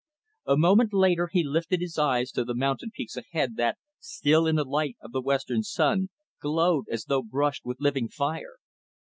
A moment later, he lifted his eyes to the mountain peaks ahead that, still in the light of the western sun, glowed as though brushed with living fire.